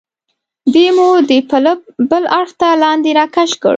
دی مو د پله بل اړخ ته لاندې را کش کړ.